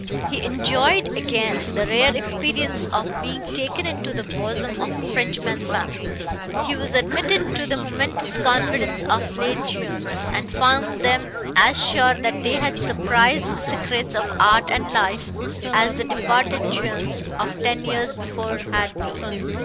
He enjoyed again the rare experience of being taken into the bosom of a Frenchman's family. He was admitted to the momentous confidence of les jeunes, and found them as sure that they had surprised the secrets of art and life as the departed jeunes of ten years before had been.